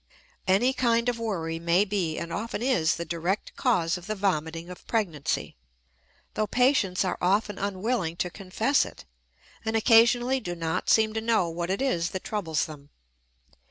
Any kind of worry may be and often is the direct cause of the vomiting of pregnancy, though patients are often unwilling to confess it; and occasionally do not seem to know what it is that troubles them.